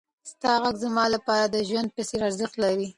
ستا غږ زما لپاره د ژوند په څېر ارزښت لري.